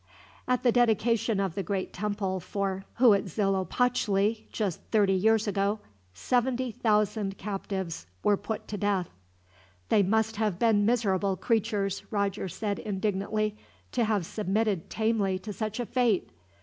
At the dedication of the great temple for Huitzilopotchli, just thirty years ago, seventy thousand captives were put to death." "They must have been miserable creatures," Roger said indignantly, "to have submitted tamely to such a fate.